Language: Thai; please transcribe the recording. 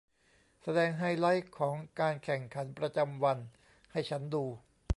แสดงไฮไลท์ของการแข่งขันประจำวันให้ฉันดู